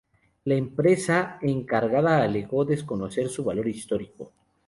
La empresa encargada alegó "desconocer su valor histórico".